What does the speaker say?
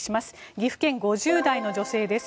岐阜県５０代の女性です。